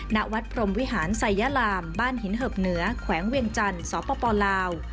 ณวัดพรมวิหารไซยาลามบ้านหินเหิบเหนือแขวงเวียงจันทร์สปลาว